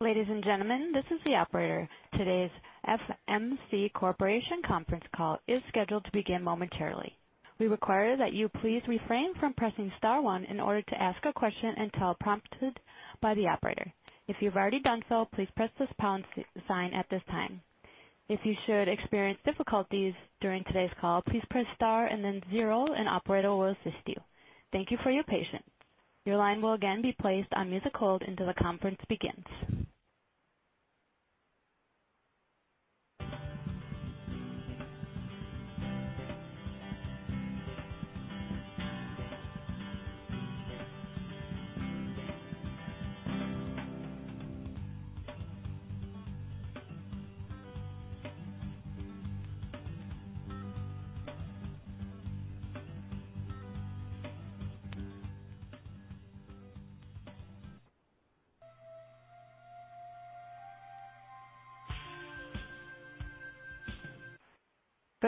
Ladies and gentlemen, this is the operator. Today's FMC Corporation conference call is scheduled to begin momentarily. We require that you please refrain from pressing star one in order to ask a question until prompted by the operator. If you've already done so, please press the pound sign at this time. If you should experience difficulties during today's call, please press star and then zero, an operator will assist you. Thank you for your patience. Your line will again be placed on music hold until the conference begins.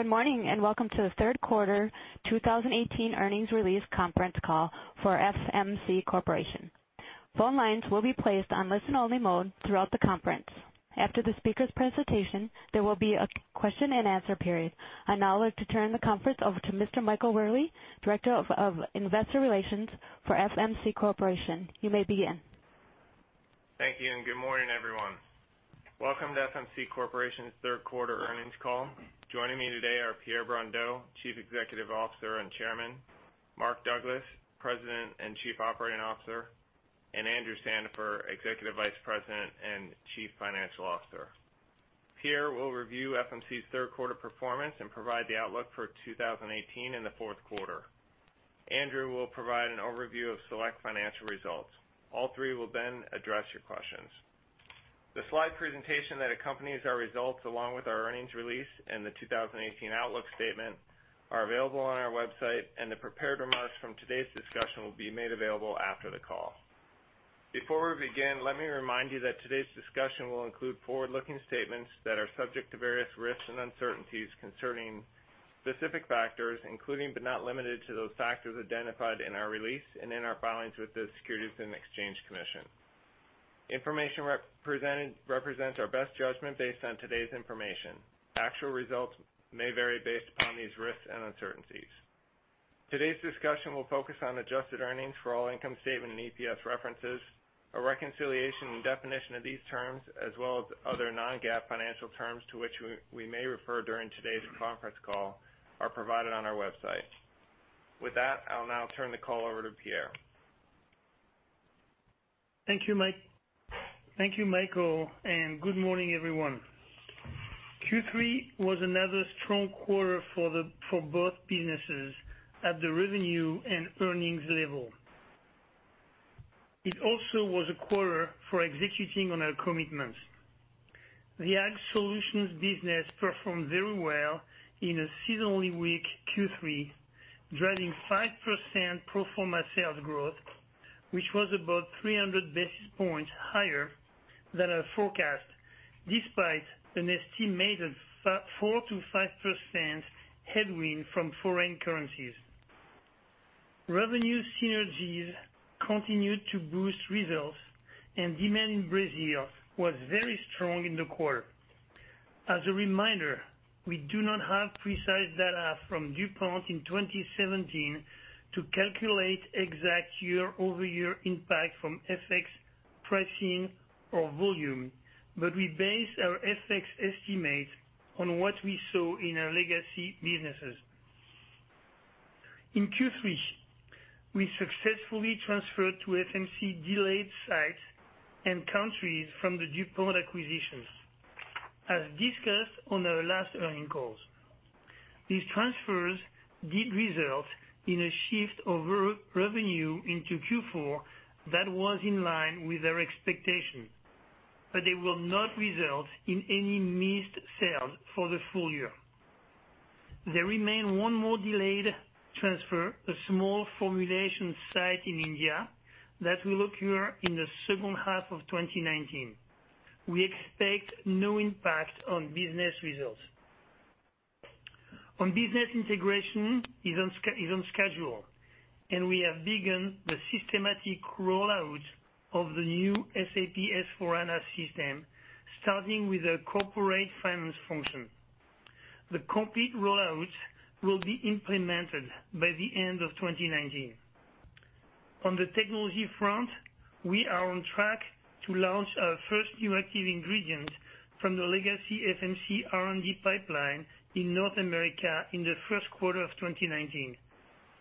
Good morning, and welcome to the third quarter 2018 earnings release conference call for FMC Corporation. Phone lines will be placed on listen-only mode throughout the conference. After the speaker's presentation, there will be a question and answer period. I'd now like to turn the conference over to Mr. Michael Wherley, Director of Investor Relations for FMC Corporation. You may begin. Thank you, good morning, everyone. Welcome to FMC Corporation's third quarter earnings call. Joining me today are Pierre Brondeau, Chief Executive Officer and Chairman, Mark Douglas, President and Chief Operating Officer, and Andrew Sandifer, Executive Vice President and Chief Financial Officer. Pierre will review FMC's third quarter performance and provide the outlook for 2018 in the fourth quarter. Andrew will provide an overview of select financial results. All three will then address your questions. The slide presentation that accompanies our results, along with our earnings release and the 2018 outlook statement, are available on our website, and the prepared remarks from today's discussion will be made available after the call. Before we begin, let me remind you that today's discussion will include forward-looking statements that are subject to various risks and uncertainties concerning specific factors, including but not limited to those factors identified in our release and in our filings with the Securities and Exchange Commission. Information represents our best judgment based on today's information. Actual results may vary based upon these risks and uncertainties. Today's discussion will focus on adjusted earnings for all income statement and EPS references. A reconciliation and definition of these terms, as well as other non-GAAP financial terms to which we may refer during today's conference call, are provided on our website. With that, I'll now turn the call over to Pierre. Thank you, Michael, good morning, everyone. Q3 was another strong quarter for both businesses at the revenue and earnings level. It also was a quarter for executing on our commitments. The Ag Solutions business performed very well in a seasonally weak Q3, driving 5% pro forma sales growth, which was about 300 basis points higher than our forecast, despite an estimated 4%-5% headwind from foreign currencies. Revenue synergies continued to boost results, and demand in Brazil was very strong in the quarter. As a reminder, we do not have precise data from DuPont in 2017 to calculate exact year-over-year impact from FX pricing or volume, but we base our FX estimate on what we saw in our legacy businesses. In Q3, we successfully transferred to FMC delayed sites and countries from the DuPont acquisitions, as discussed on our last earnings calls. These transfers did result in a shift of revenue into Q4 that was in line with our expectations. They will not result in any missed sales for the full year. There remain one more delayed transfer, a small formulation site in India that will occur in the second half of 2019. We expect no impact on business results. Business integration is on schedule, and we have begun the systematic rollout of the new SAP S/4HANA system, starting with the corporate finance function. The complete rollout will be implemented by the end of 2019. On the technology front, we are on track to launch our first new active ingredient from the legacy FMC R&D pipeline in North America in the first quarter of 2019.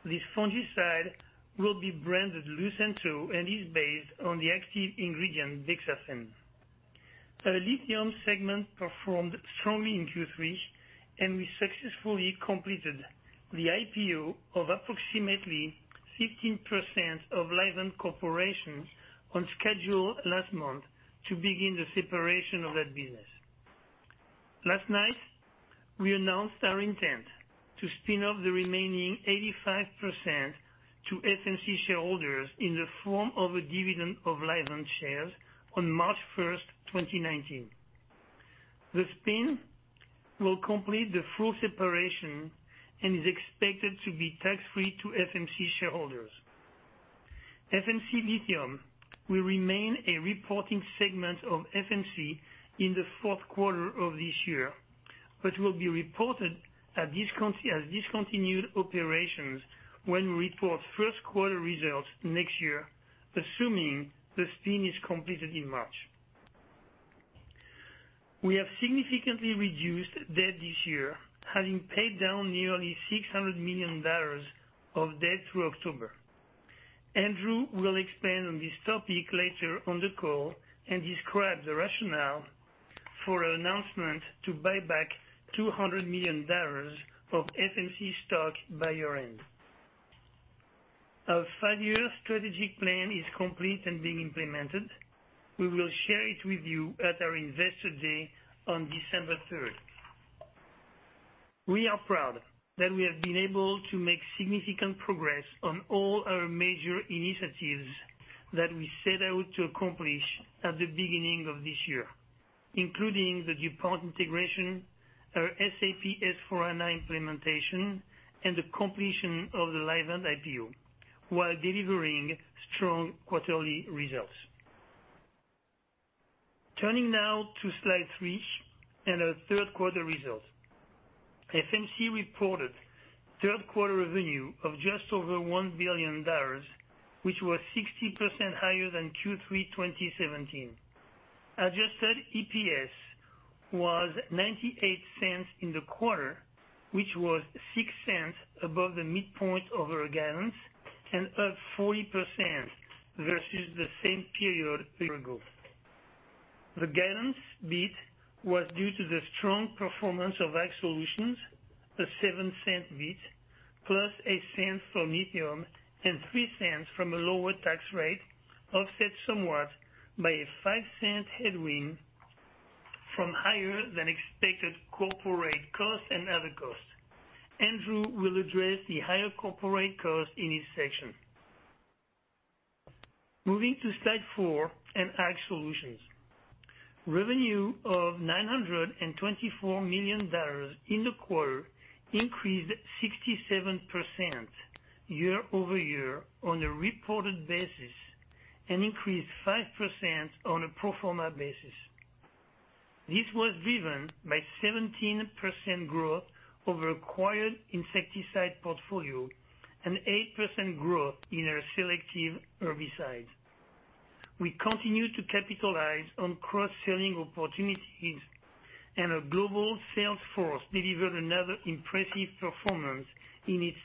This fungicide will be branded Lucento and is based on the active ingredient Bixafen. Our Lithium segment performed strongly in Q3. We successfully completed the IPO of approximately 15% of Livent Corporation on schedule last month to begin the separation of that business. Last night, we announced our intent to spin off the remaining 85% to FMC shareholders in the form of a dividend of Livent shares on March 1st, 2019. The spin will complete the full separation and is expected to be tax-free to FMC shareholders. FMC Lithium will remain a reporting segment of FMC in the fourth quarter of this year, but will be reported as discontinued operations when we report first quarter results next year, assuming the spin is completed in March. We have significantly reduced debt this year, having paid down nearly $600 million of debt through October. Andrew will expand on this topic later on the call and describe the rationale for an announcement to buy back $200 million of FMC stock by year-end. Our five-year strategic plan is complete and being implemented. We will share it with you at our Investor Day on December 3rd. We are proud that we have been able to make significant progress on all our major initiatives that we set out to accomplish at the beginning of this year, including the DuPont integration, our SAP S/4HANA implementation, and the completion of the Livent IPO, while delivering strong quarterly results. Turning now to slide three and our third quarter results. FMC reported third quarter revenue of just over $1 billion, which was 60% higher than Q3 2017. Adjusted EPS was $0.98 in the quarter, which was $0.06 above the midpoint of our guidance and up 40% versus the same period a year ago. The guidance beat was due to the strong performance of Ag Solutions, a $0.07 beat, plus $0.01 from Lithium, and $0.03 from a lower tax rate, offset somewhat by a $0.05 headwind from higher than expected corporate costs and other costs. Andrew will address the higher corporate costs in his section. Moving to slide four and Ag Solutions. Revenue of $924 million in the quarter increased 67% year-over-year on a reported basis and increased 5% on a pro forma basis. This was driven by 17% growth of acquired insecticide portfolio and 8% growth in our selective herbicides. We continue to capitalize on cross-selling opportunities and our global sales force delivered another impressive performance in its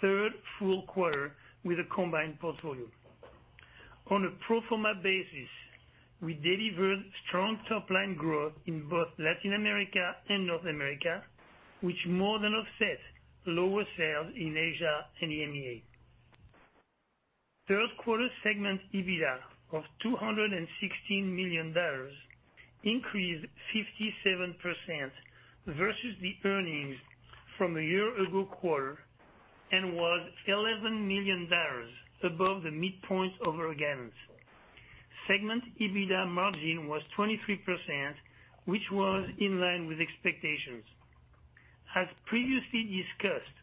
third full quarter with a combined portfolio. On a pro forma basis, we delivered strong top-line growth in both Latin America and North America, which more than offset lower sales in Asia and EMEA. Third quarter segment EBITDA of $216 million increased 57% versus the earnings from a year ago quarter and was $11 million above the midpoint of our guidance. Segment EBITDA margin was 23%, which was in line with expectations. As previously discussed,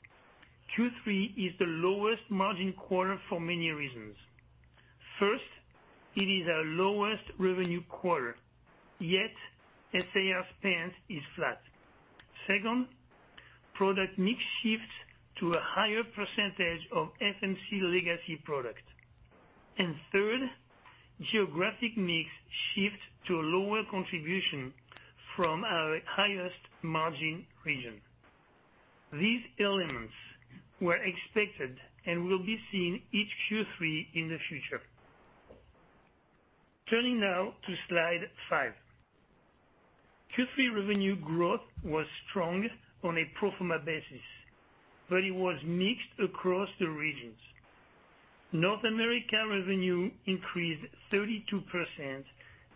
Q3 is the lowest margin quarter for many reasons. First, it is our lowest revenue quarter, yet SAR spend is flat. Second, product mix shifts to a higher percentage of FMC legacy product. Third, geographic mix shifts to a lower contribution from our highest margin region. These elements were expected and will be seen each Q3 in the future. Turning now to slide five. Q3 revenue growth was strong on a pro forma basis, but it was mixed across the regions. North America revenue increased 32%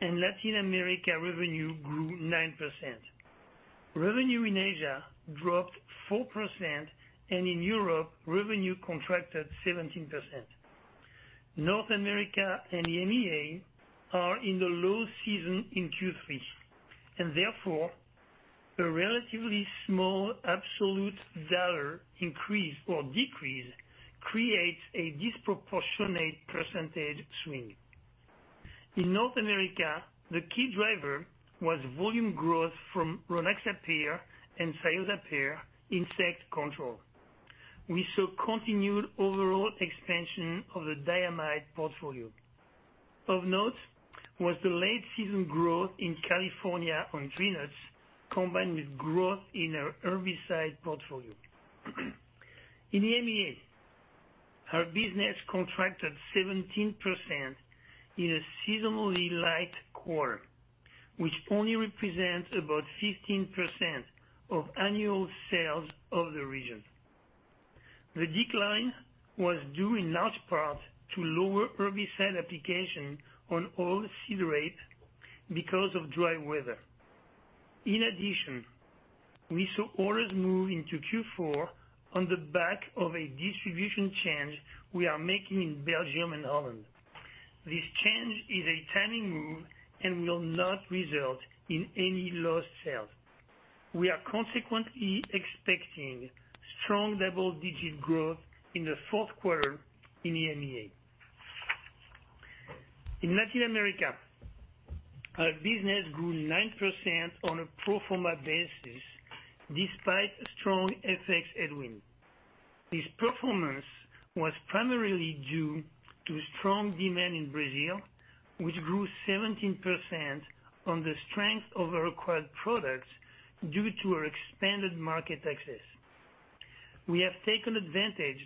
and Latin America revenue grew 9%. Revenue in Asia dropped 4%. In Europe, revenue contracted 17%. North America and EMEA are in the low season in Q3. Therefore, a relatively small absolute dollar increase or decrease creates a disproportionate percentage swing. In North America, the key driver was volume growth from Rynaxypyr and Cyazypyr insect control. We saw continued overall expansion of the diamide portfolio. Of note was the late season growth in California on peanuts, combined with growth in our herbicide portfolio. In EMEA, our business contracted 17% in a seasonally light quarter, which only represents about 15% of annual sales of the region. The decline was due in large part to lower herbicide application on oilseed rape because of dry weather. In addition, we saw orders move into Q4 on the back of a distribution change we are making in Belgium and Holland. This change is a timing move and will not result in any lost sales. We are consequently expecting strong double-digit growth in the fourth quarter in EMEA. In Latin America, our business grew 9% on a pro forma basis despite strong FX headwind. This performance was primarily due to strong demand in Brazil, which grew 17% on the strength of our acquired products due to our expanded market access. We have taken advantage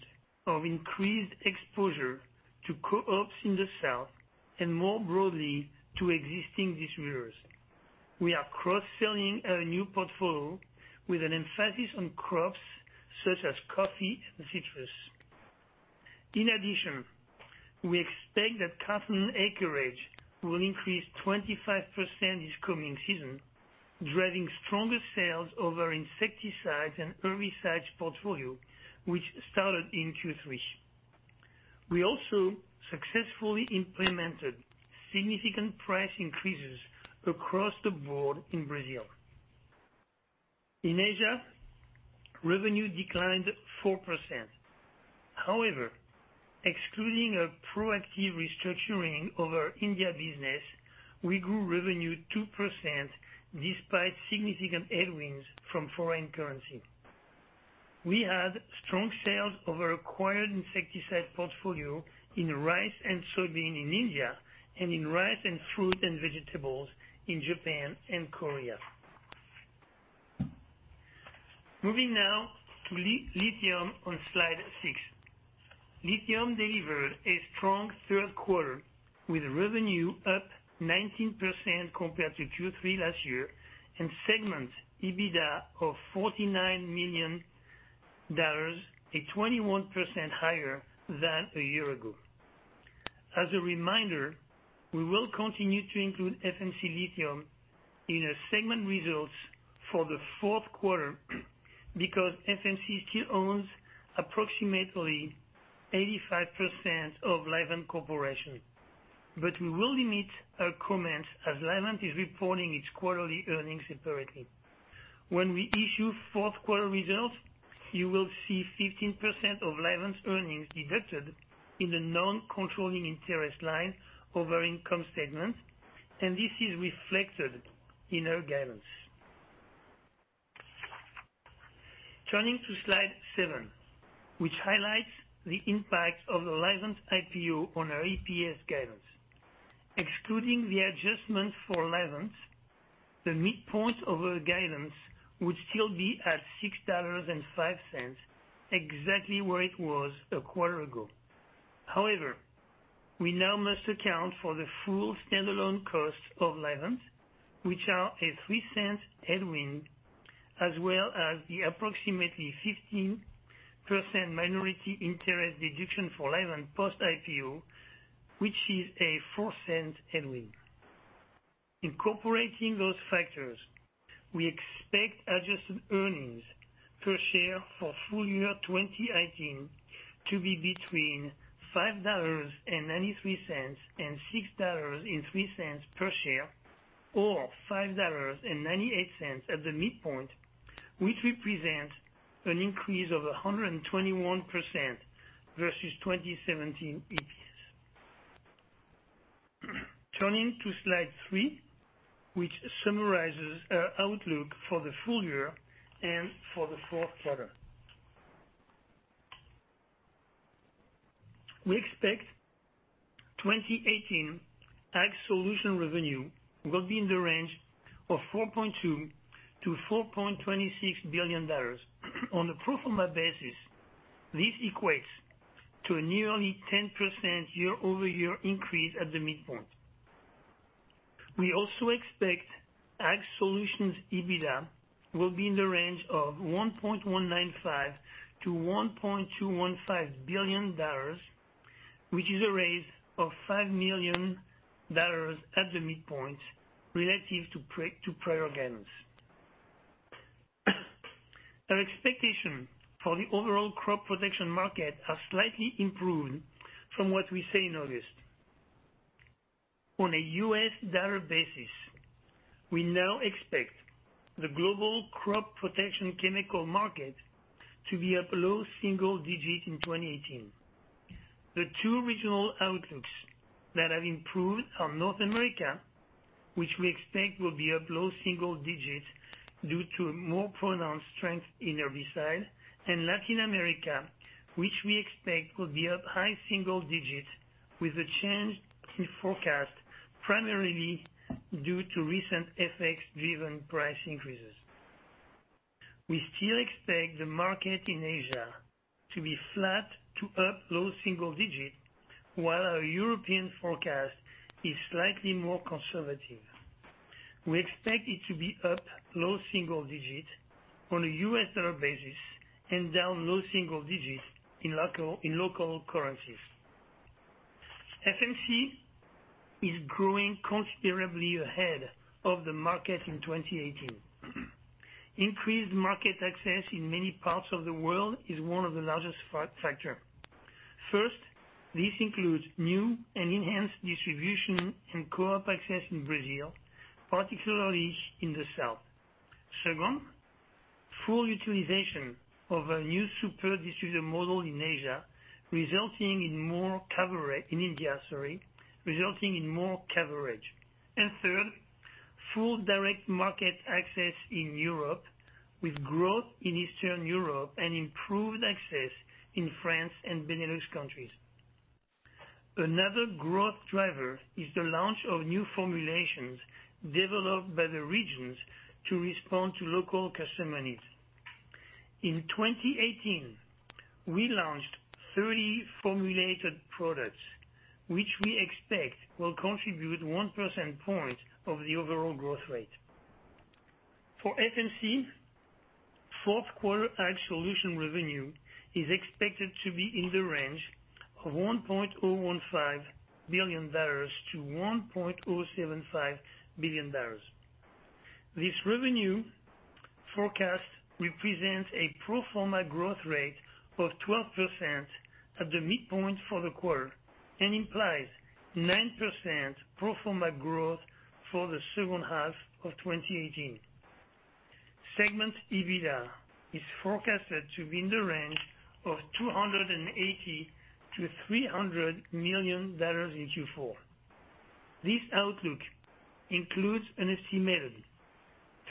of increased exposure to co-ops in the south. More broadly, to existing distributors, we are cross-selling our new portfolio with an emphasis on crops such as coffee and citrus. In addition, we expect that cotton acreage will increase 25% this coming season, driving stronger sales of our insecticides and herbicides portfolio, which started in Q3. We also successfully implemented significant price increases across the board in Brazil. In Asia, revenue declined 4%. Excluding a proactive restructuring of our India business, we grew revenue 2% despite significant headwinds from foreign currency. We had strong sales of our acquired insecticide portfolio in rice and soybean in India, and in rice and fruit and vegetables in Japan and Korea. Moving now to lithium on slide six. Lithium delivered a strong third quarter, with revenue up 19% compared to Q3 last year and segment EBITDA of $49 million, 21% higher than a year ago. As a reminder, we will continue to include FMC Lithium in our segment results for the fourth quarter because FMC still owns approximately 85% of Livent Corporation. We will limit our comments as Livent is reporting its quarterly earnings separately. When we issue fourth quarter results, you will see 15% of Livent's earnings deducted in the non-controlling interest line of our income statement, and this is reflected in our guidance. Turning to slide seven, which highlights the impact of the Livent IPO on our EPS guidance. Excluding the adjustment for Livent, the midpoint of our guidance would still be at $6.05, exactly where it was a quarter ago. However, we now must account for the full standalone costs of Livent, which are a $0.03 headwind, as well as the approximately 15% minority interest deduction for Livent post-IPO, which is a $0.04 headwind. Incorporating those factors, we expect adjusted earnings per share for full year 2018 to be between $5.93 and $6.03 per share, or $5.98 at the midpoint, which represents an increase of 121% versus 2017 EPS. Turning to slide three, which summarizes our outlook for the full year and for the fourth quarter. We expect 2018 FMC Agricultural Solutions revenue will be in the range of $4.2 billion to $4.26 billion. On a pro forma basis, this equates to a nearly 10% year-over-year increase at the midpoint. We also expect FMC Agricultural Solutions EBITDA will be in the range of $1.195 billion to $1.215 billion, which is a raise of $5 million at the midpoint relative to prior guidance. Our expectation for the overall crop protection market has slightly improved from what we said in August. On a U.S. dollar basis, we now expect the global crop protection chemical market to be up low single digits in 2018. The two regional outlooks that have improved are North America, which we expect will be up low single digits due to a more pronounced strength in herbicide, and Latin America, which we expect will be up high single digits with a change in forecast primarily due to recent FX-driven price increases. We still expect the market in Asia to be flat to up low single digits, while our European forecast is slightly more conservative. We expect it to be up low single digits on a U.S. dollar basis and down low single digits in local currencies. FMC is growing considerably ahead of the market in 2018. Increased market access in many parts of the world is one of the largest factors. First, this includes new and enhanced distribution and co-op access in Brazil, particularly in the south. Second, full utilization of a new super distributor model in Asia, resulting in more coverage. In India. Sorry, resulting in more coverage. Third, full direct market access in Europe with growth in Eastern Europe and improved access in France and Benelux countries. Another growth driver is the launch of new formulations developed by the regions to respond to local customer needs. In 2018, we launched 30 formulated products, which we expect will contribute one percent point of the overall growth rate. For FMC, fourth quarter FMC Agricultural Solutions revenue is expected to be in the range of $1.015 billion to $1.075 billion. This revenue forecast represents a pro forma growth rate of 12% at the midpoint for the quarter and implies 9% pro forma growth for the second half of 2018. Segment EBITDA is forecasted to be in the range of $280 million-$300 million in Q4. This outlook includes an estimated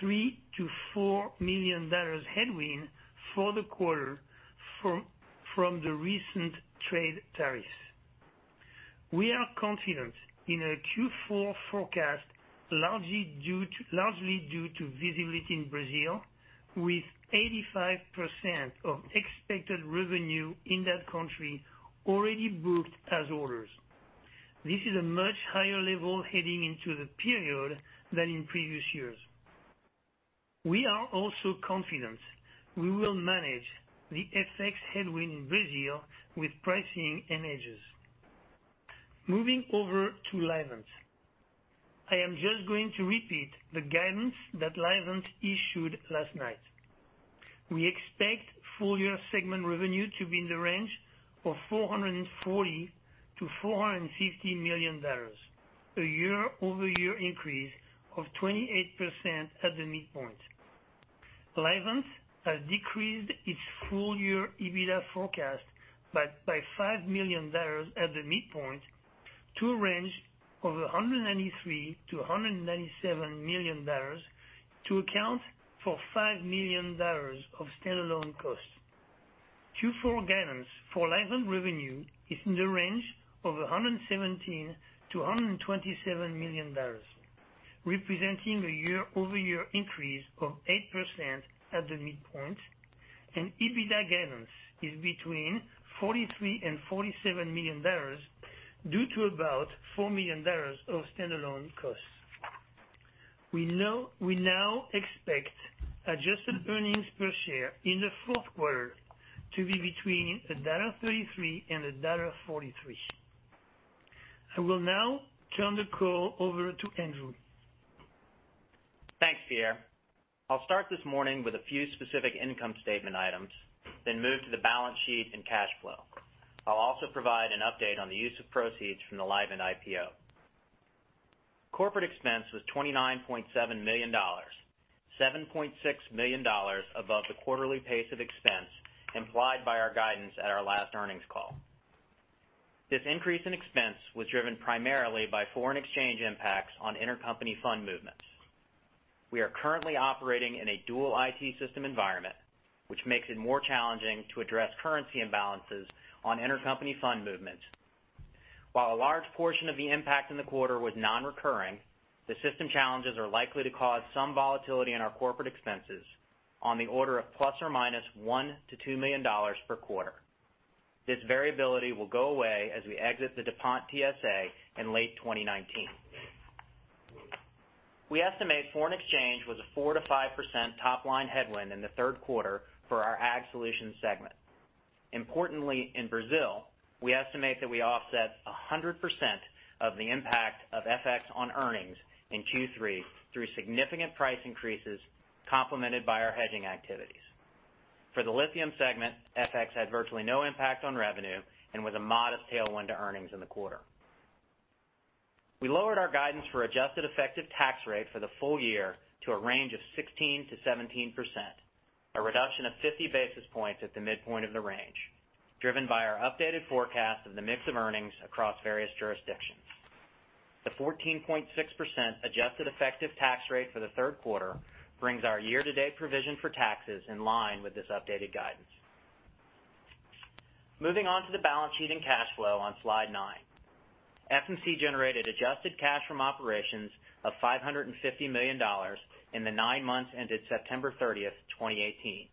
$3 million-$4 million headwind for the quarter from the recent trade tariffs. We are confident in our Q4 forecast, largely due to visibility in Brazil with 85% of expected revenue in that country already booked as orders. This is a much higher level heading into the period than in previous years. We are also confident we will manage the FX headwind in Brazil with pricing and hedges. Moving over to Livent. I am just going to repeat the guidance that Livent issued last night. We expect full-year segment revenue to be in the range of $440 million-$450 million, a year-over-year increase of 28% at the midpoint. Livent has decreased its full-year EBITDA forecast by $5 million at the midpoint to a range of $193 million-$197 million to account for $5 million of standalone costs. Q4 guidance for Livent revenue is in the range of $117 million-$127 million, representing a year-over-year increase of 8% at the midpoint, and EBITDA guidance is between $43 million and $47 million due to about $4 million of standalone costs. We now expect adjusted earnings per share in the fourth quarter to be between $1.33 and $1.43. I will now turn the call over to Andrew. Thanks, Pierre. I'll start this morning with a few specific income statement items, then move to the balance sheet and cash flow. I'll also provide an update on the use of proceeds from the Livent IPO. Corporate expense was $29.7 million, $7.6 million above the quarterly pace of expense implied by our guidance at our last earnings call. This increase in expense was driven primarily by foreign exchange impacts on intercompany fund movements. We are currently operating in a dual IT system environment, which makes it more challenging to address currency imbalances on intercompany fund movements. While a large portion of the impact in the quarter was non-recurring, the system challenges are likely to cause some volatility in our corporate expenses on the order of plus or minus $1 million-$2 million per quarter. This variability will go away as we exit the DuPont TSA in late 2019. We estimate foreign exchange was a 4%-5% top-line headwind in the third quarter for our AG Solutions segment. Importantly, in Brazil, we estimate that we offset 100% of the impact of FX on earnings in Q3 through significant price increases complemented by our hedging activities. For the Lithium segment, FX had virtually no impact on revenue and with a modest tailwind to earnings in the quarter. We lowered our guidance for adjusted effective tax rate for the full year to a range of 16%-17%, a reduction of 50 basis points at the midpoint of the range, driven by our updated forecast of the mix of earnings across various jurisdictions. The 14.6% adjusted effective tax rate for the third quarter brings our year-to-date provision for taxes in line with this updated guidance. Moving on to the balance sheet and cash flow on slide nine. FMC generated adjusted cash from operations of $550 million in the nine months ended September 30, 2018,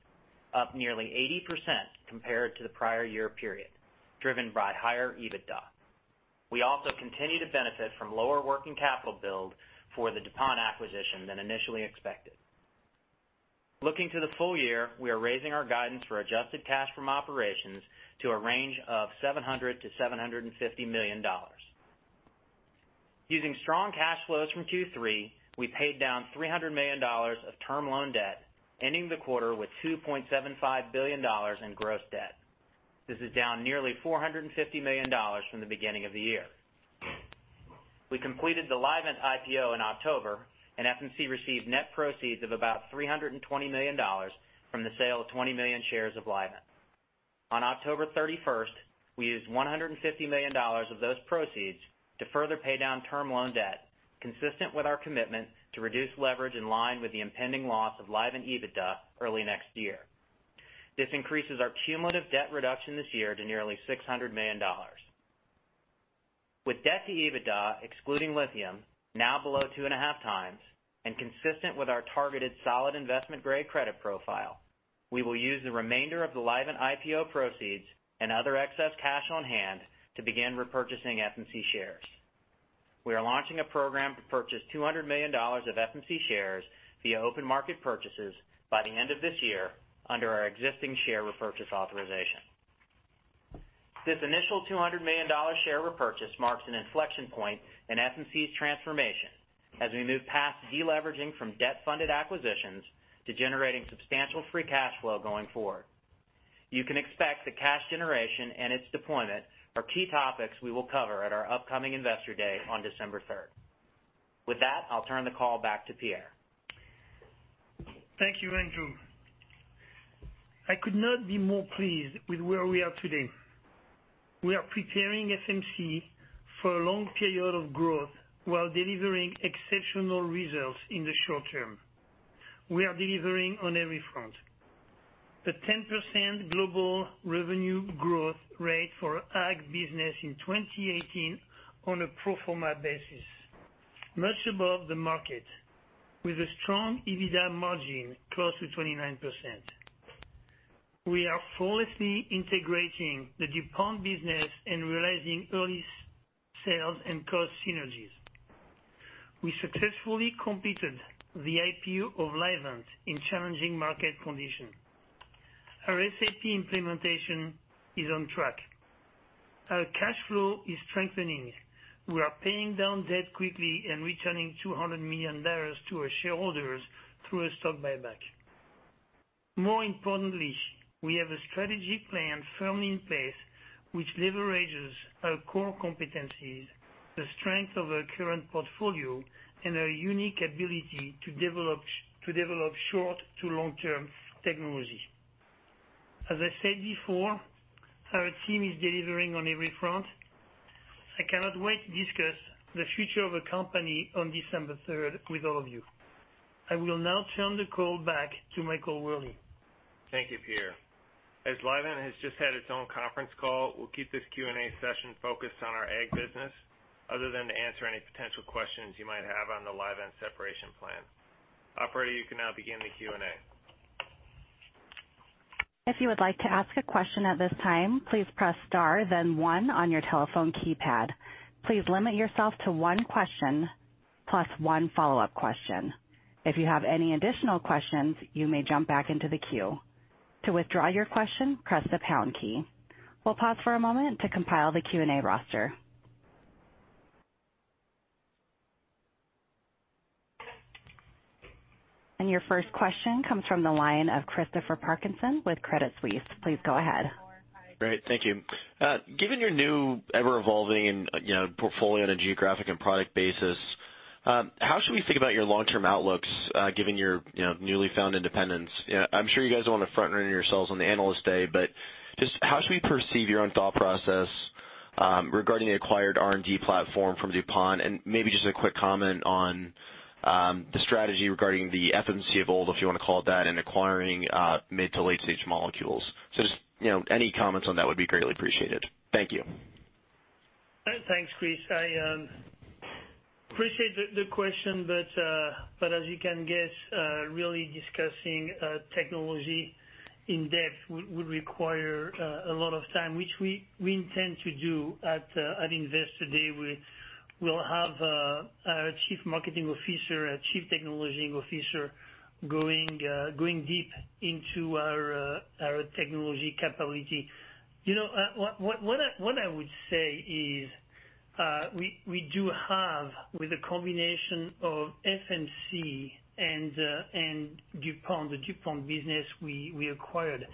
up nearly 80% compared to the prior year period, driven by higher EBITDA. We also continue to benefit from lower working capital build for the DuPont acquisition than initially expected. Looking to the full year, we are raising our guidance for adjusted cash from operations to a range of $700 million-$750 million. Using strong cash flows from Q3, we paid down $300 million of term loan debt, ending the quarter with $2.75 billion in gross debt. This is down nearly $450 million from the beginning of the year. We completed the Livent IPO in October, and FMC received net proceeds of about $320 million from the sale of 20 million shares of Livent. On October 31, we used $150 million of those proceeds to further pay down term loan debt, consistent with our commitment to reduce leverage in line with the impending loss of Livent EBITDA early next year. This increases our cumulative debt reduction this year to nearly $600 million. With debt to EBITDA excluding lithium now below 2.5 times and consistent with our targeted solid investment-grade credit profile, we will use the remainder of the Livent IPO proceeds and other excess cash on hand to begin repurchasing FMC shares. We are launching a program to purchase $200 million of FMC shares via open market purchases by the end of this year under our existing share repurchase authorization. This initial $200 million share repurchase marks an inflection point in FMC's transformation as we move past deleveraging from debt-funded acquisitions to generating substantial free cash flow going forward. You can expect the cash generation and its deployment are key topics we will cover at our upcoming Investor Day on December 3. With that, I'll turn the call back to Pierre. Thank you, Andrew. I could not be more pleased with where we are today. We are preparing FMC for a long period of growth while delivering exceptional results in the short term. We are delivering on every front. The 10% global revenue growth rate for ag business in 2018 on a pro forma basis, much above the market, with a strong EBITDA margin close to 29%. We are flawlessly integrating the DuPont business and realizing early sales and cost synergies. We successfully completed the IPO of Livent in challenging market condition. Our SAP implementation is on track. Our cash flow is strengthening. We are paying down debt quickly and returning $200 million to our shareholders through a stock buyback. More importantly, we have a strategic plan firmly in place, which leverages our core competencies, the strength of our current portfolio, and our unique ability to develop short to long-term technology. As I said before, our team is delivering on every front. I cannot wait to discuss the future of our company on December third with all of you. I will now turn the call back to Michael Wherley. Thank you, Pierre. As Livent has just had its own conference call, we'll keep this Q&A session focused on our ag business other than to answer any potential questions you might have on the Livent separation plan. Operator, you can now begin the Q&A. If you would like to ask a question at this time, please press star then one on your telephone keypad. Please limit yourself to one question plus one follow-up question. If you have any additional questions, you may jump back into the queue. To withdraw your question, press the pound key. We'll pause for a moment to compile the Q&A roster. Your first question comes from the line of Christopher Parkinson with Credit Suisse. Please go ahead. Great. Thank you. Given your new ever-evolving portfolio on a geographic and product basis, how should we think about your long-term outlooks, given your newly found independence? I'm sure you guys don't want to front-run yourselves on the Analyst Day, but just how should we perceive your own thought process regarding the acquired R&D platform from DuPont? Maybe just a quick comment on the strategy regarding the FMC of old, if you want to call it that, and acquiring mid- to late-stage molecules. Just any comments on that would be greatly appreciated. Thank you. Thanks, Chris. I appreciate the question. As you can guess, really discussing technology in depth would require a lot of time, which we intend to do at Investor Day. We'll have our Chief Marketing Officer, our Chief Technology Officer going deep into our technology capability. What I would say is we do have, with a combination of FMC and DuPont, the DuPont business we acquired,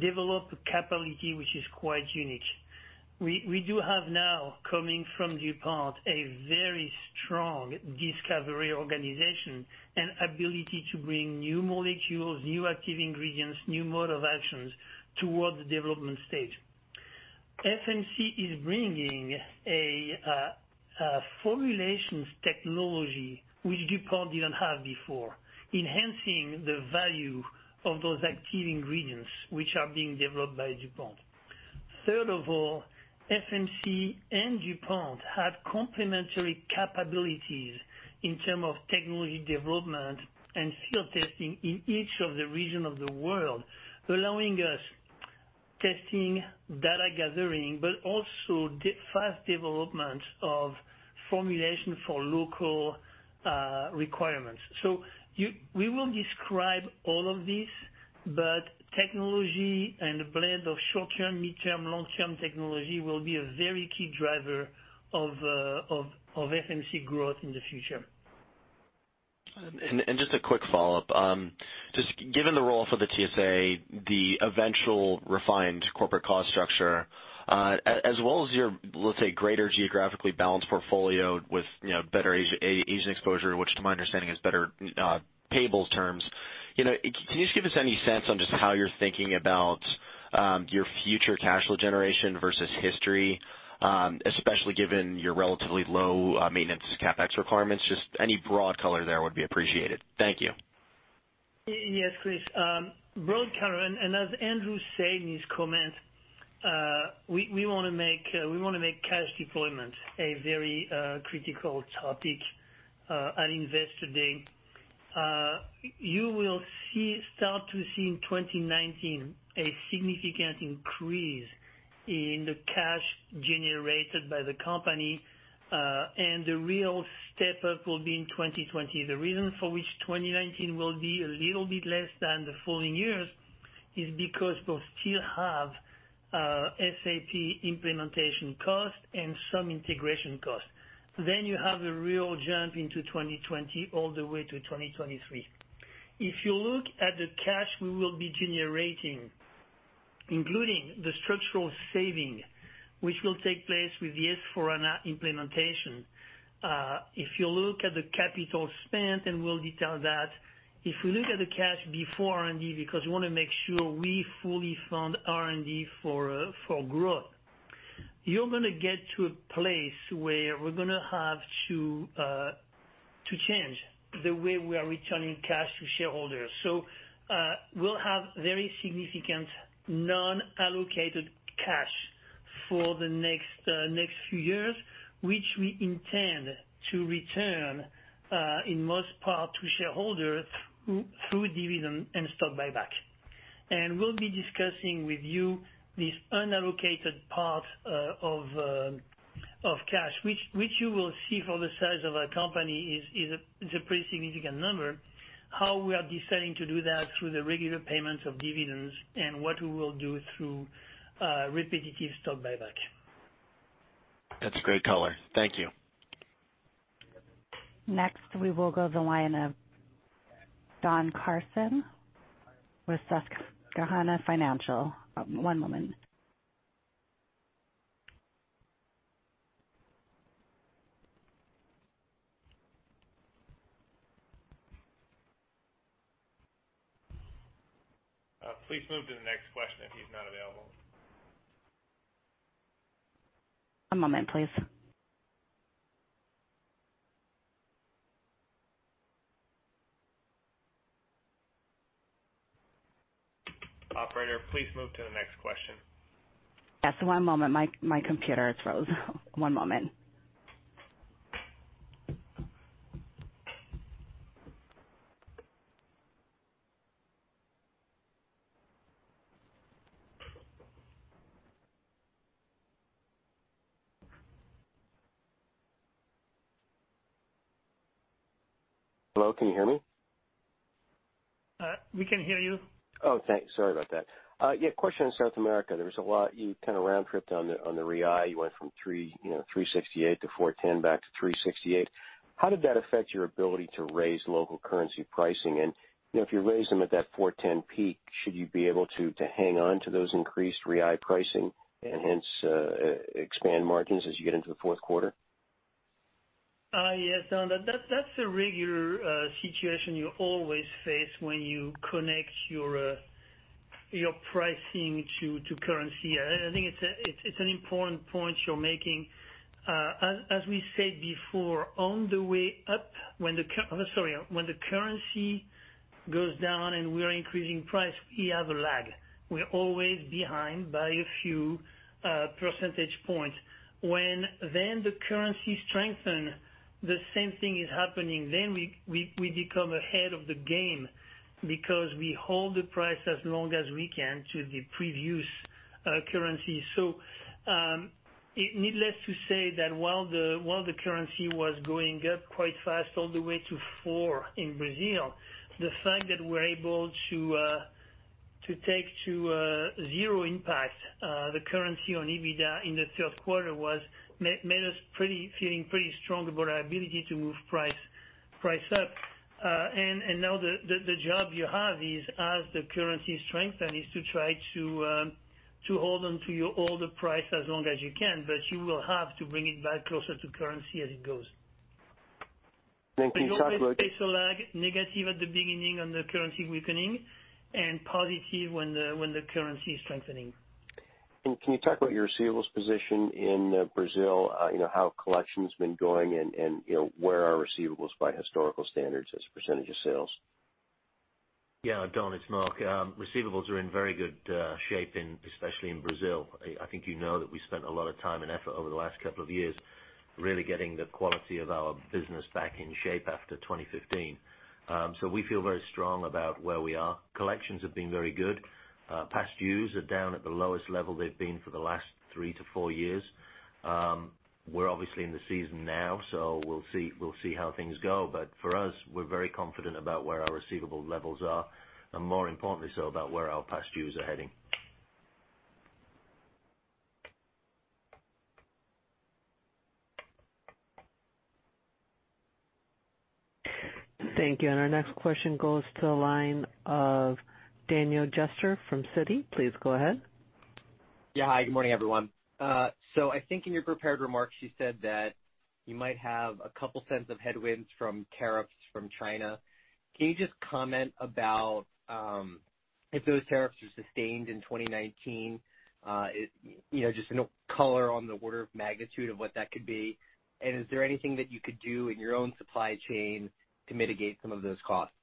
developed a capability which is quite unique. We do have now, coming from DuPont, a very strong discovery organization and ability to bring new molecules, new active ingredients, new mode of actions towards the development stage. FMC is bringing a formulations technology which DuPont didn't have before, enhancing the value of those active ingredients which are being developed by DuPont. Third of all, FMC and DuPont have complementary capabilities in terms of technology development and field testing in each of the region of the world, allowing us testing, data gathering, but also fast development of formulation for local requirements. We will describe all of this. Technology and the blend of short-term, midterm, long-term technology will be a very key driver of FMC growth in the future. Just a quick follow-up. Given the role for the TSA, the eventual refined corporate cost structure, as well as your, let's say, greater geographically balanced portfolio with better Asian exposure, which to my understanding is better payables terms, can you just give us any sense on just how you're thinking about your future cash flow generation versus history, especially given your relatively low maintenance CapEx requirements? Just any broad color there would be appreciated. Thank you. Yes, Chris. Broad color. As Andrew said in his comments, we want to make cash deployment a very critical topic at Investor Day. You will start to see in 2019 a significant increase in the cash generated by the company, and the real step up will be in 2020. The reason for which 2019 will be a little bit less than the following years is because we'll still have SAP implementation costs and some integration costs. You have a real jump into 2020 all the way to 2023. If you look at the cash we will be generating, including the structural savings, which will take place with the S/4HANA implementation. If you look at the capital spent, and we'll detail that, if we look at the cash before R&D, because we want to make sure we fully fund R&D for growth, you're going to get to a place where we're going to have to change the way we are returning cash to shareholders. We'll have very significant non-allocated cash for the next few years, which we intend to return, in most part to shareholders through dividend and stock buyback. We'll be discussing with you this unallocated part of cash, which you will see for the size of our company is a pretty significant number, how we are deciding to do that through the regular payments of dividends and what we will do through repetitive stock buyback. That's a great color. Thank you. Next, we will go the line of Don Carson with Susquehanna Financial. One moment. Please move to the next question if he's not available. One moment, please. Operator, please move to the next question. Yes, one moment. My computer, it froze. One moment. Hello, can you hear me? We can hear you. Oh, thanks. Sorry about that. Yeah, question on South America. There was a lot, you kind of round-tripped on the BRL. You went from 368 to 410 back to 368. How did that affect your ability to raise local currency pricing? If you raised them at that 410 peak, should you be able to hang on to those increased BRL pricing and hence expand margins as you get into the fourth quarter? Yes, Don, that's a regular situation you always face when you connect your pricing to currency. I think it's an important point you're making. As we said before, on the way up, when the currency goes down and we're increasing price, we have a lag. We're always behind by a few percentage points. When then the currency strengthen, the same thing is happening. We become ahead of the game because we hold the price as long as we can to the previous currency. Needless to say that while the currency was going up quite fast all the way to four in Brazil, the fact that we're able to take to zero impact the currency on EBITDA in the third quarter made us feeling pretty strong about our ability to move price up. Now the job you have is as the currency strengthen, is to try to hold on to your older price as long as you can, but you will have to bring it back closer to currency as it goes. Can you talk about- You always face a lag, negative at the beginning on the currency weakening and positive when the currency is strengthening. Can you talk about your receivables position in Brazil, how collection's been going and where are receivables by historical standards as a percentage of sales? Yeah, Don, it's Mark. Receivables are in very good shape, especially in Brazil. I think you know that we spent a lot of time and effort over the last couple of years really getting the quality of our business back in shape after 2015. We feel very strong about where we are. Collections have been very good. Past dues are down at the lowest level they've been for the last three to four years. We're obviously in the season now, so we'll see how things go. For us, we're very confident about where our receivable levels are, and more importantly, so about where our past dues are heading. Thank you. Our next question goes to the line of Daniel Jester from Citi. Please go ahead. Yeah. Hi, good morning, everyone. I think in your prepared remarks, you said that you might have a couple cents of headwinds from tariffs from China. Can you just comment about if those tariffs are sustained in 2019? Just color on the order of magnitude of what that could be, and is there anything that you could do in your own supply chain to mitigate some of those costs?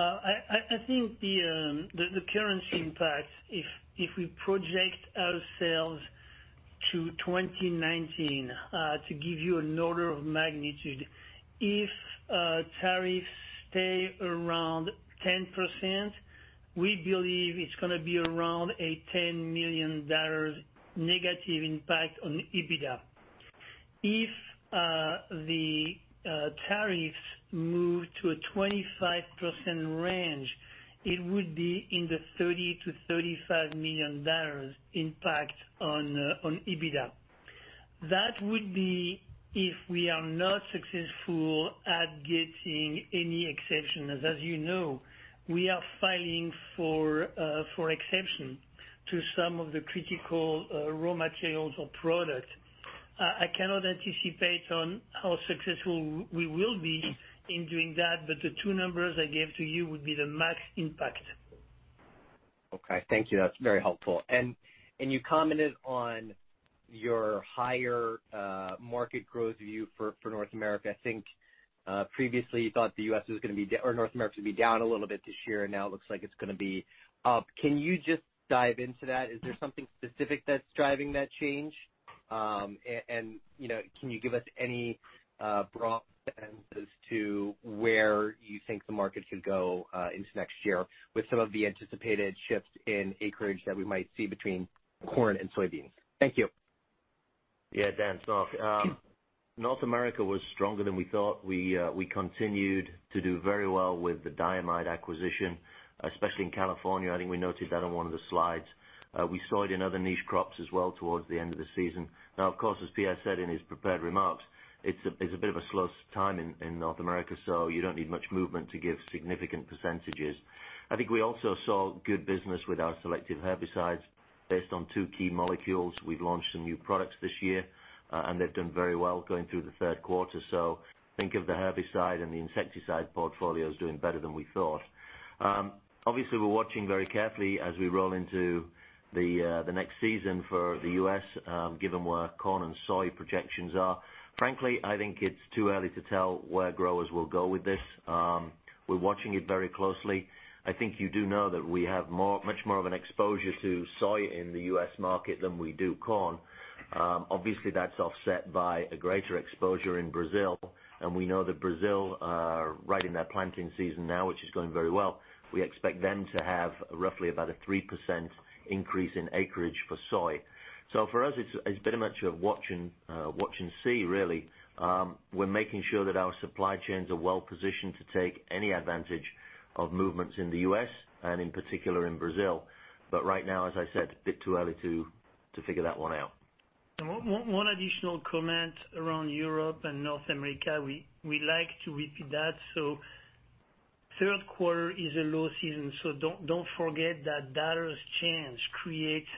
I think the currency impact, if we project our sales to 2019, to give you an order of magnitude, if tariffs stay around 10%, we believe it's going to be around a $10 million negative impact on EBITDA. If the tariffs move to a 25% range, it would be in the $30 million-$35 million impact on EBITDA. That would be if we are not successful at getting any exceptions. As you know, we are filing for exception to some of the critical raw materials or products. I cannot anticipate on how successful we will be in doing that, but the two numbers I gave to you would be the max impact. Okay. Thank you. That's very helpful. You commented on your higher market growth view for North America. I think previously you thought North America would be down a little bit this year, and now it looks like it's going to be up. Can you just dive into that? Is there something specific that's driving that change? Can you give us any broad sense as to where you think the market should go into next year with some of the anticipated shifts in acreage that we might see between corn and soybeans? Thank you. Yeah, Dan, it's Mark. North America was stronger than we thought. We continued to do very well with the diamide acquisition, especially in California. I think we noted that on one of the slides. We saw it in other niche crops as well towards the end of the season. Now, of course, as Pierre said in his prepared remarks, it's a bit of a slow time in North America, so you don't need much movement to give significant percentages. I think we also saw good business with our selective herbicides based on two key molecules. We've launched some new products this year, and they've done very well going through the third quarter. Think of the herbicide and the insecticide portfolios doing better than we thought. Obviously, we're watching very carefully as we roll into the next season for the U.S., given where corn and soy projections are. Frankly, I think it's too early to tell where growers will go with this. We're watching it very closely. I think you do know that we have much more of an exposure to soy in the U.S. market than we do corn. Obviously, that's offset by a greater exposure in Brazil, and we know that Brazil are right in their planting season now, which is going very well. We expect them to have roughly about a 3% increase in acreage for soy. For us, it's been a much of watch and see really. We're making sure that our supply chains are well-positioned to take any advantage of movements in the U.S. and in particular in Brazil. Right now, as I said, a bit too early to figure that one out. One additional comment around Europe and North America. We like to repeat that. Third quarter is a low season, so don't forget that dollars change creates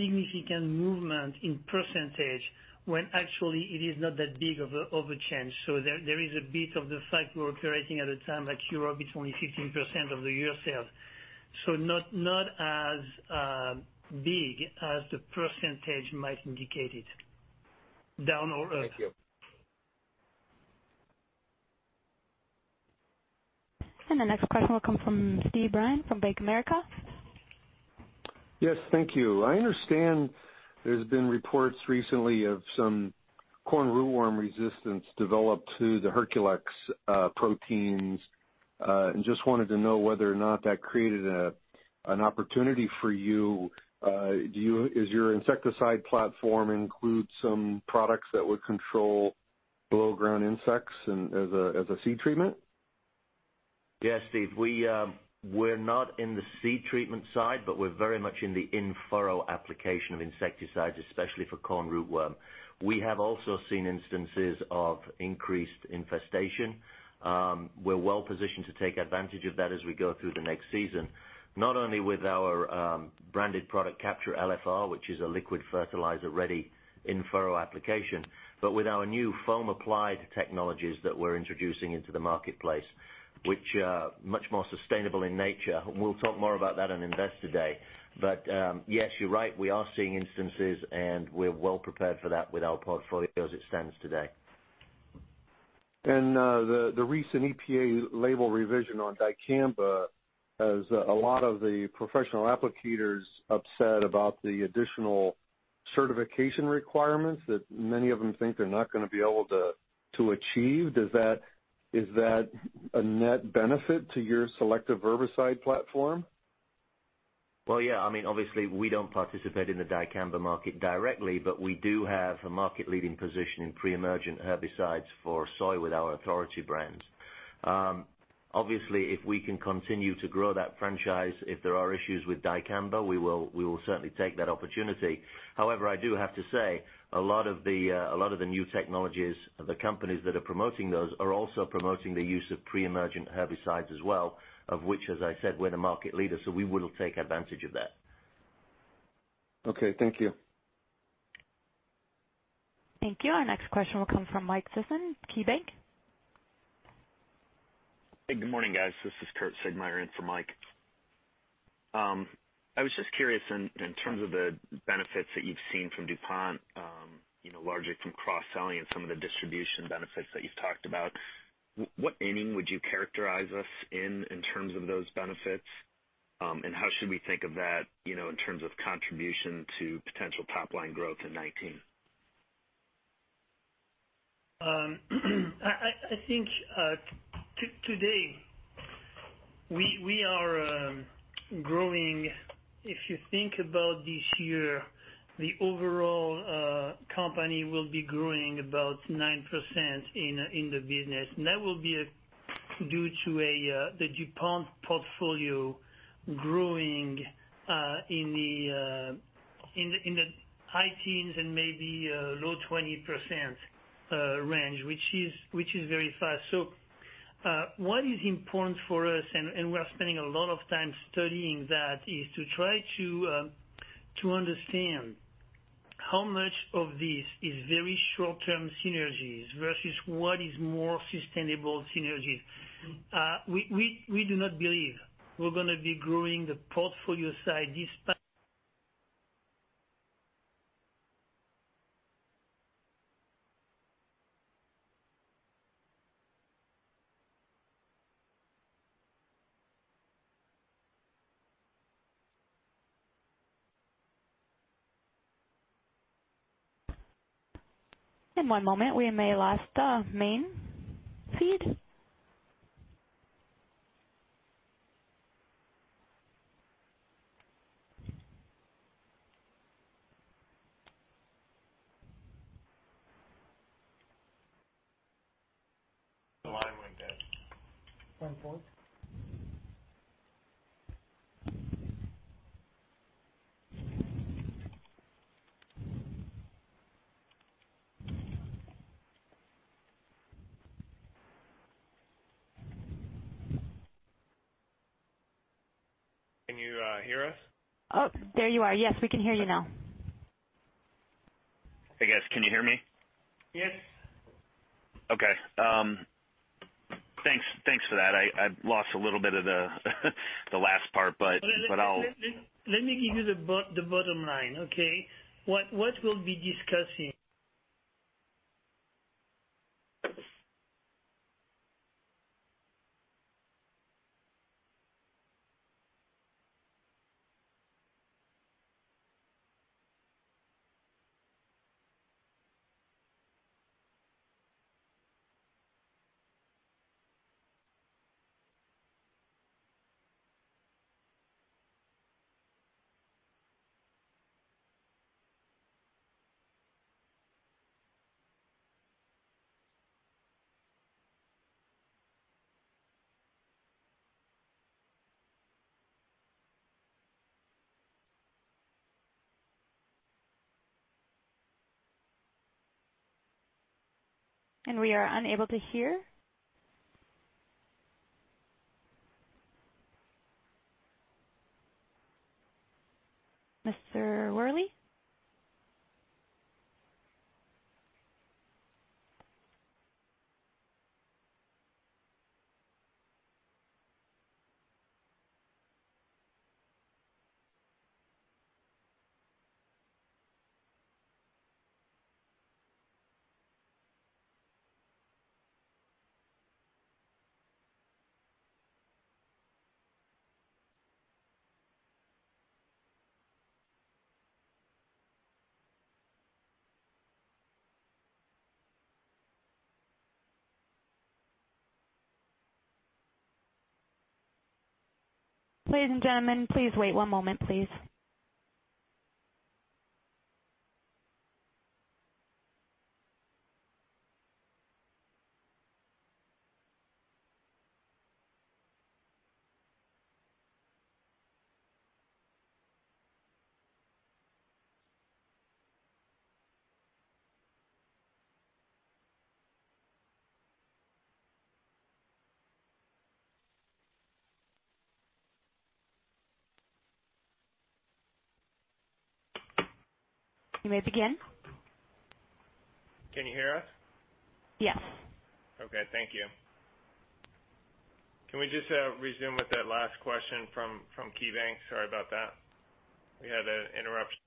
significant movement in percentage when actually it is not that big of a change. There is a bit of the fact we're operating at a time like Europe, it's only 15% of the year sales. Not as big as the percentage might indicate it down or up. Thank you. The next question will come from Steve Byrne from Bank of America. Yes. Thank you. I understand there's been reports recently of some corn rootworm resistance developed to the Herculex proteins. Just wanted to know whether or not that created an opportunity for you. Is your insecticide platform include some products that would control below-ground insects as a seed treatment? Yeah, Steve. We're not in the seed treatment side, but we're very much in the in-furrow application of insecticides, especially for corn rootworm. We have also seen instances of increased infestation. We're well positioned to take advantage of that as we go through the next season, not only with our branded product Capture LFR, which is a liquid fertilizer ready in-furrow application, but with our new foam applied technologies that we're introducing into the marketplace, which are much more sustainable in nature. We'll talk more about that in Investor Day. Yes, you're right, we are seeing instances, and we're well prepared for that with our portfolio as it stands today. The recent EPA label revision on dicamba has a lot of the professional applicators upset about the additional certification requirements that many of them think they're not going to be able to achieve. Is that a net benefit to your selective herbicide platform? Well, yeah. Obviously, we don't participate in the dicamba market directly, but we do have a market-leading position in pre-emergent herbicides for soy with our Authority brand. Obviously, if we can continue to grow that franchise, if there are issues with dicamba, we will certainly take that opportunity. However, I do have to say, a lot of the new technologies, the companies that are promoting those are also promoting the use of pre-emergent herbicides as well, of which, as I said, we're the market leader, so we will take advantage of that. Okay, thank you. Thank you. Our next question will come from Michael Sison, KeyBank. Hey, good morning, guys. This is Kurt Segmeier in for Mike. I was just curious in terms of the benefits that you've seen from DuPont, largely from cross-selling and some of the distribution benefits that you've talked about. What inning would you characterize us in terms of those benefits? How should we think of that in terms of contribution to potential top-line growth in 2019? I think today we are growing. If you think about this year, the overall company will be growing about 9% in the business. That will be due to the DuPont portfolio growing in the high teens and maybe low 20% range, which is very fast. What is important for us, and we are spending a lot of time studying that, is to try to understand how much of this is very short-term synergies versus what is more sustainable synergies. We do not believe we're going to be growing the portfolio side this- One moment. We may lost Main feed. The line went dead. Go on forward. Can you hear us? Oh, there you are. Yes, we can hear you now. Hey, guys. Can you hear me? Yes. Okay. Thanks for that. I lost a little bit of the last part. Let me give you the bottom line, okay? What we'll be discussing We are unable to hear. Mr. Wherley? Ladies and gentlemen, please wait one moment, please. You may begin. Can you hear us? Yes. Okay. Thank you. Can we just resume with that last question from KeyBank? Sorry about that. We had an interruption.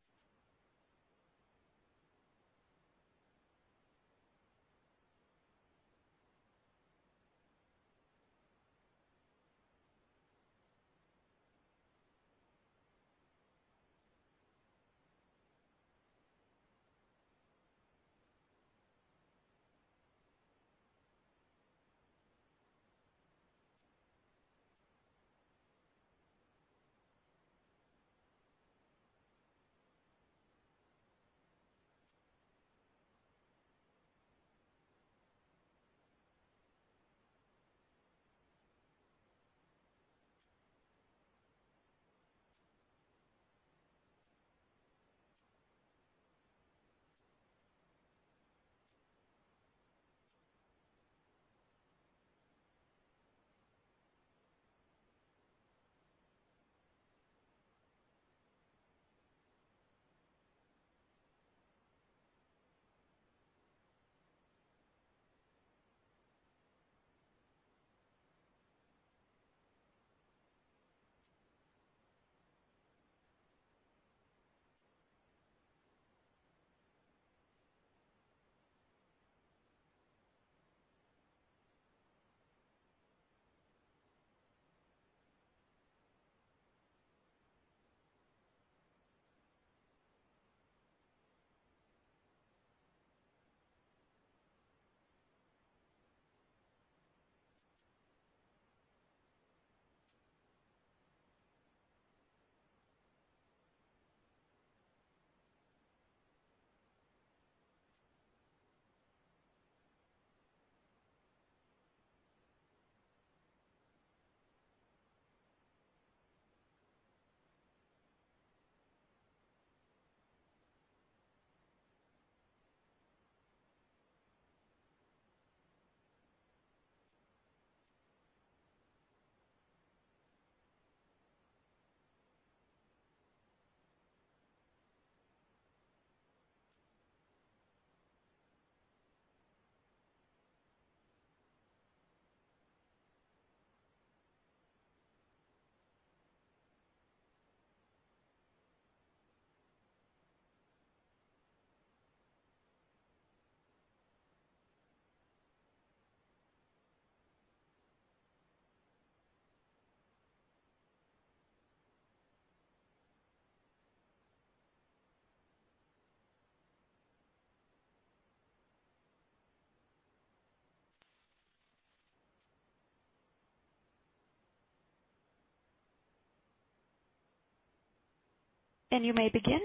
You may begin.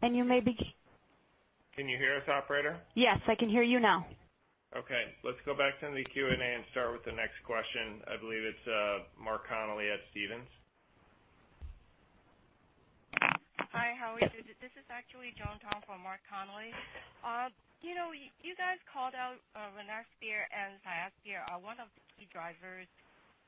Can you hear us, operator? Yes, I can hear you now. Okay. Let's go back to the Q&A and start with the next question. I believe it's Mark Connelly at Stephens Inc. Hi, how are you? This is actually Joel Tom from Mark Connelly. You guys called out Rynaxypyr and Cyazypyr are one of the key drivers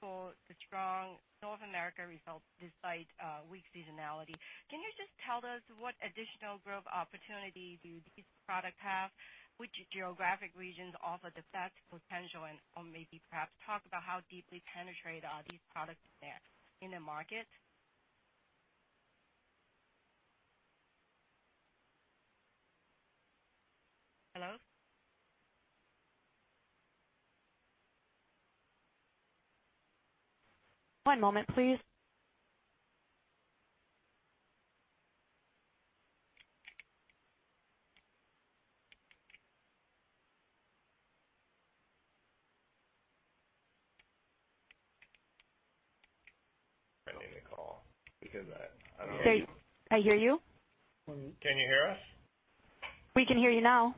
for the strong North America results despite weak seasonality. Can you just tell us what additional growth opportunity do these products have? Which geographic regions offer the best potential, and maybe perhaps talk about how deeply penetrated are these products there in the market? Hello? One moment, please. End the call because I don't hear you. I hear you. Can you hear us? We can hear you now.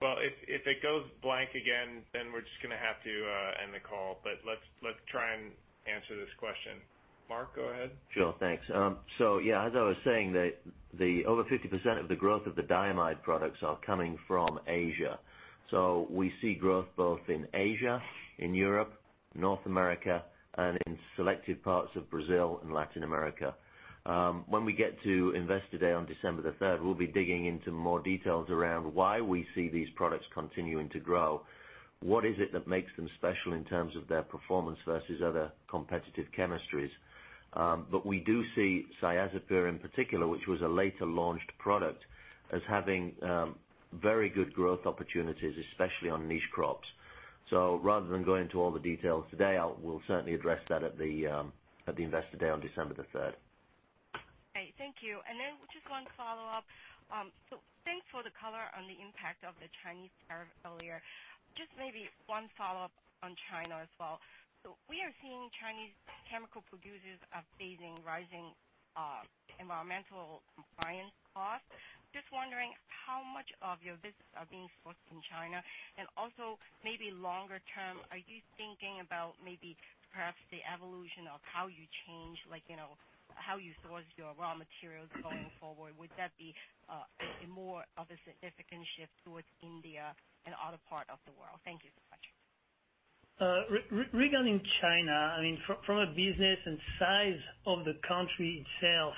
Well, if it goes blank again, then we're just going to have to end the call. Let's try and answer this question. Mark, go ahead. Sure, thanks. Yeah, as I was saying, over 50% of the growth of the diamide products are coming from Asia. We see growth both in Asia, in Europe, North America, and in selective parts of Brazil and Latin America. When we get to Investor Day on December the third, we will be digging into more details around why we see these products continuing to grow, what is it that makes them special in terms of their performance versus other competitive chemistries. We do see Cyazypyr in particular, which was a later-launched product, as having very good growth opportunities, especially on niche crops. Rather than go into all the details today, we will certainly address that at the Investor Day on December the third. Great. Thank you. Just one follow-up. Thanks for the color on the impact of the Chinese tariff earlier. Just maybe one follow-up on China as well. We are seeing Chinese chemical producers are facing rising environmental compliance costs. Just wondering how much of your business are being sourced from China, and also maybe longer term, are you thinking about maybe perhaps the evolution of how you change, like how you source your raw materials going forward? Would that be more of a significant shift towards India and other part of the world? Thank you so much. Regarding China, from a business and size of the country itself,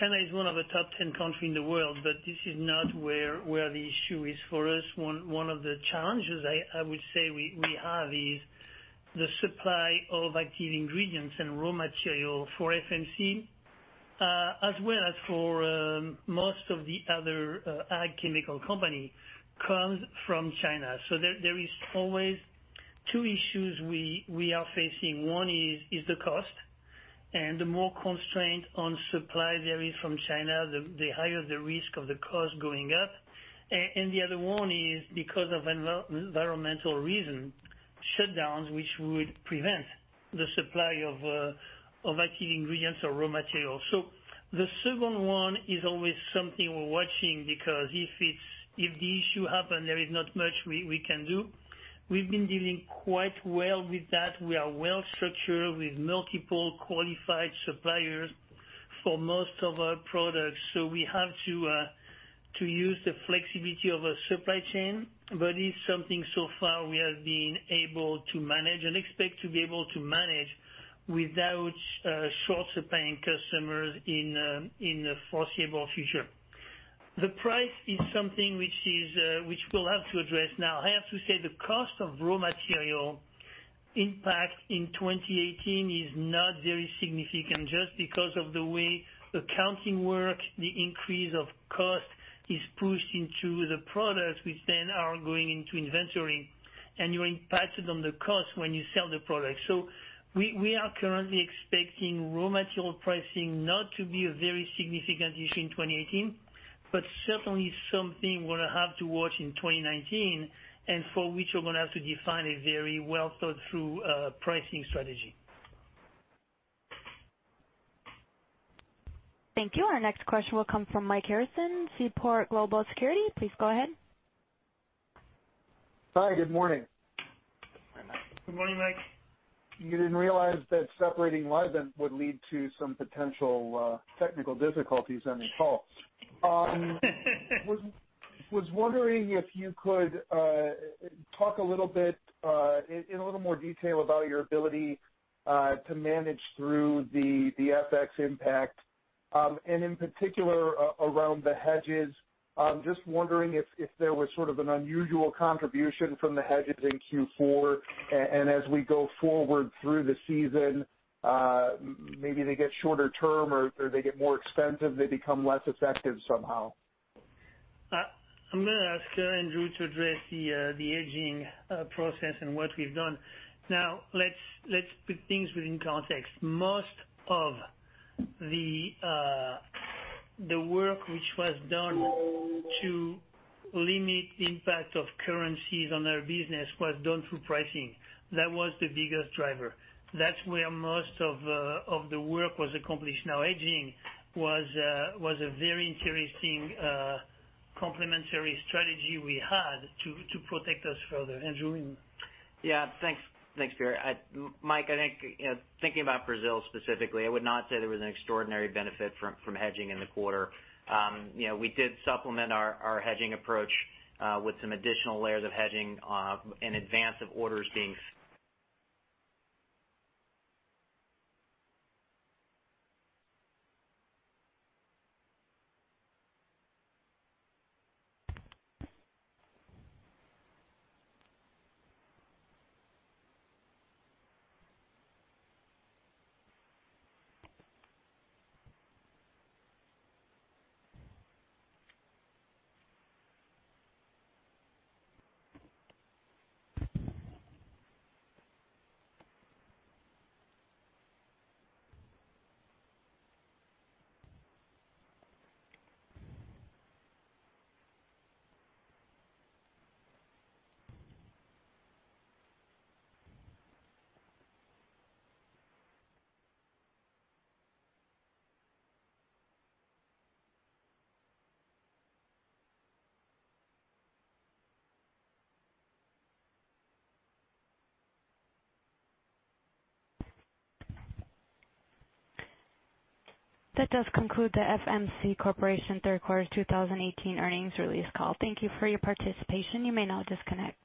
China is one of the top 10 country in the world, this is not where the issue is for us. One of the challenges I would say we have is the supply of active ingredients and raw material for FMC, as well as for most of the other ag chemical company, comes from China. There is always two issues we are facing. One is the cost, and the more constraint on supply there is from China, the higher the risk of the cost going up. The other one is because of environmental reason, shutdowns which would prevent the supply of active ingredients or raw materials. The second one is always something we are watching because if the issue happen, there is not much we can do. We have been dealing quite well with that. We are well-structured with multiple qualified suppliers for most of our products. We have to use the flexibility of a supply chain. It is something so far we have been able to manage and expect to be able to manage without short supplying customers in the foreseeable future. The price is something which we will have to address. Now, I have to say the cost of raw material impact in 2018 is not very significant just because of the way accounting work, the increase of cost is pushed into the products which then are going into inventory, and you are impacted on the cost when you sell the product. We are currently expecting raw material pricing not to be a very significant issue in 2018, but certainly something we are going to have to watch in 2019, and for which we are going to have to define a very well-thought-through pricing strategy. Thank you. Our next question will come from Michael Harrison, Seaport Global Securities. Please go ahead. Hi, good morning. Good morning, Mike. You didn't realize that separating Livent would lead to some potential technical difficulties on these calls. Was wondering if you could talk a little bit in a little more detail about your ability to manage through the FX impact, and in particular around the hedges. Just wondering if there was sort of an unusual contribution from the hedges in Q4 and as we go forward through the season, maybe they get shorter term or they get more expensive, they become less effective somehow. I'm going to ask Andrew to address the hedging process and what we've done. Let's put things within context. Most of the work which was done to limit the impact of currencies on our business was done through pricing. That was the biggest driver. That's where most of the work was accomplished. Hedging was a very interesting complementary strategy we had to protect us further. Andrew? Thanks, Pierre. Mike, I think, thinking about Brazil specifically, I would not say there was an extraordinary benefit from hedging in the quarter. We did supplement our hedging approach with some additional layers of hedging in advance of orders being That does conclude the FMC Corporation third quarter 2018 earnings release call. Thank you for your participation. You may now disconnect.